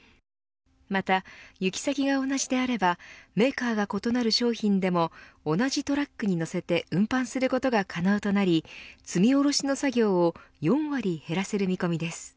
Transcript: また行き先が同じであればメーカーが異なる商品でも同じトラックに乗せて運搬することが可能となり積み降ろしの作業を４割減らせる見込みです。